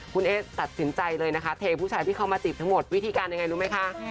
คุณเอ๊ตัดสินใจเลยนะคะเทผู้ชายที่เข้ามาจีบทั้งหมดวิธีการยังไงรู้ไหมคะ